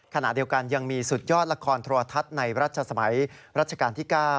ขณะเดียวกันยังมีสุดยอดละครโทรทัศน์ในรัชสมัยรัชกาลที่๙